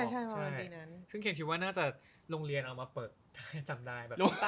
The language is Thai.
ใช่เคนสินึกว่าน่าจะโรงเรียนเอามาเปิดถ้าจำได้